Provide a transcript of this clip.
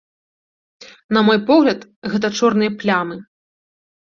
На мой погляд, гэта чорныя плямы.